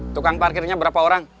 tukang parkirnya berapa orang